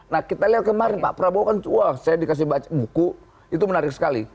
nah kita lihat kemarin pak prabowo kan wah saya dikasih baca buku itu menarik sekali